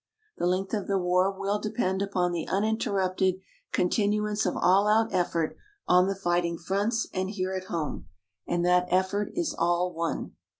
The length of the war will depend upon the uninterrupted continuance of all out effort on the fighting fronts and here at home, and that effort is all one.